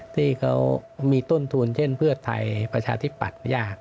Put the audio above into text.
ที่เขามีต้นทุนเช่นเพื่อไทยประชาธิปัตย์ยาก